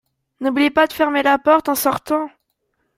N’oublie pas de fermer la porte en sortant.